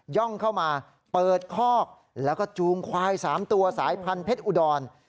่องเข้ามาเปิดคอกแล้วก็จูงควาย๓ตัวสายพันธุเพชรอุดร